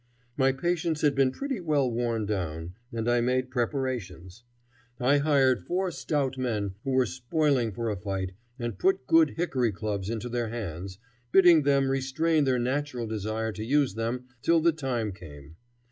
My patience had been pretty well worn down, and I made preparations. I hired four stout men who were spoiling for a fight, and put good hickory clubs into their hands, bidding them restrain their natural desire to use them till the time came.